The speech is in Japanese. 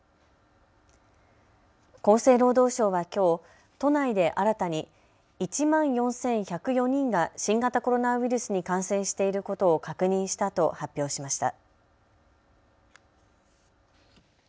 厚生労働省はきょう、都内で新たに１万４１０４人が新型コロナウイルスに感染していることを確認したと発表しました。